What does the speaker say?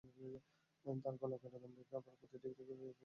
তারা গলা কাটা দাম রেখে আবার প্রতি টিকিটের বিপরীতে বোনাসও চায়।